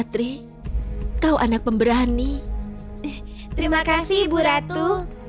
terima kasih ibu ratu